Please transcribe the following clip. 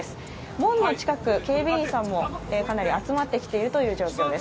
門の近く、警備員さんもかなり集まってきている状況です。